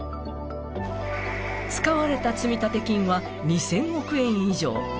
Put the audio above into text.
使われた積立金は２０００億円以上。